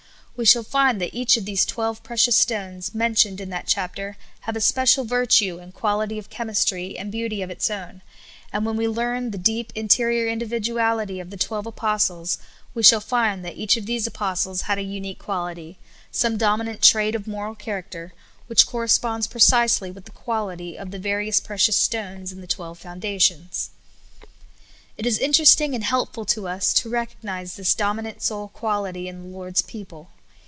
We shall find that each of these twelve precious stones, mentioned in that chapter, have a special virtue and quality of chemistry and beauty of its own, and w^hen we learn the deep in terior individualit}^ of the twelve apostles, we vShall find that each of those apostles had a unique quality — some dominant trait of moral character — which corresponds precisely with the qualit}^ of the various precious stones in the twelve foundations. It is interesting and helpful to us to recognize this dominant soul qualit} in the Lord's people.